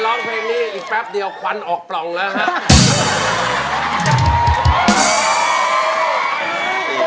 ร้องเพลงนี้อีกแป๊บเดียวควันออกปล่องแล้วครับ